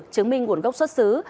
chứng minh nguồn gốc xuất xứ